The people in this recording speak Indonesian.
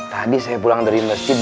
tadi saya pulang dari masjid